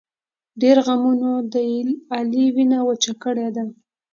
ډېرو غمونو د علي وینه وچه کړې ده.